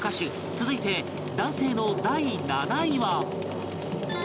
続いて男性の第７位は